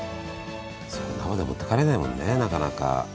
そのままじゃ持って帰れないもんねなかなか。